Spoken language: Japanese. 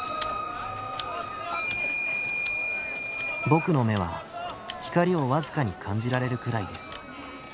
僕の目は光を僅かに感じられるくらいです。